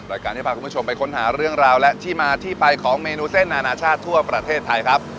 รายการที่พาคุณผู้ชมไปค้นหาเรื่องราวและที่มาที่ไปของเมนูเส้นอนาชาติทั่วประเทศไทยครับ